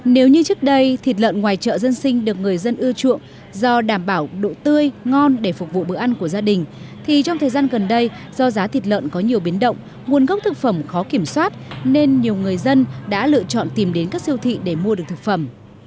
nếu như trước đây thịt lợn ngoài chợ dân sinh được người dân ưa chuộng do đảm bảo độ tươi ngon để phục vụ bữa ăn của gia đình thì trong thời gian gần đây do giá thịt lợn có nhiều biến động nguồn gốc thực phẩm khó kiểm soát nên nhiều người dân đã lựa chọn tìm đến các siêu thị để mua được thực phẩm